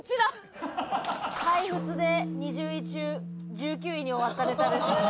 敗復で２０位中１９位に終わったネタです。